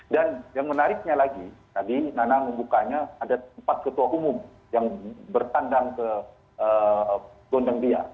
dan yang menariknya lagi tadi nana membukanya ada empat ketua umum yang bertandang ke gondeng bia